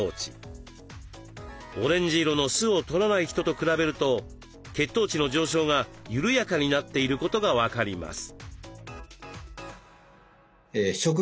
オレンジ色の酢をとらない人と比べると血糖値の上昇が緩やかになっていることが分かります。